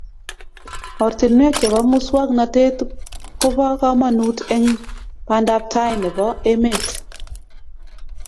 ortinwek chebo muswoknotet kubo komonut eng bantabtai nebo emet